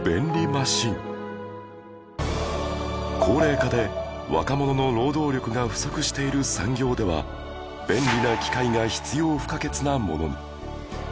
高齢化で若者の労働力が不足している産業では便利な機械が必要不可欠なものに